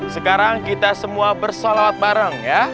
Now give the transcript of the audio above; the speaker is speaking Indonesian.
sekarang kita semua bersolawat bareng ya